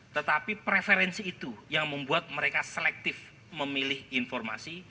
tetapi preferensi itu yang membuat mereka selektif memilih informasi